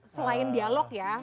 selain dialog ya